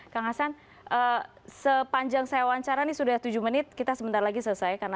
kang hasan sepanjang saya wawancara ini sudah tujuh menit kita sebentar lagi selesai